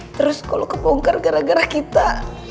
terus kalo kepongkar gara gara kita